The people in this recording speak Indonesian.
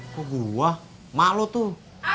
kok gua mak lo tuh